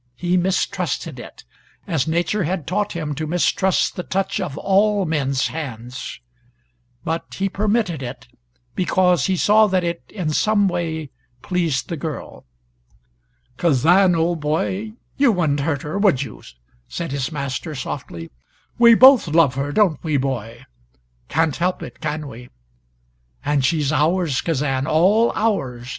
He mistrusted it, as nature had taught him to mistrust the touch of all men's hands, but he permitted it because he saw that it in some way pleased the girl. "Kazan, old boy, you wouldn't hurt her, would you?" said his master softly. "We both love her, don't we, boy? Can't help it, can we? And she's ours, Kazan, all ours!